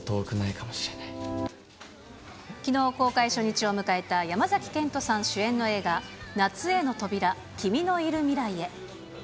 きのう公開初日を迎えた山崎賢人さん主演の映画、夏への扉・キミのいる未来へ。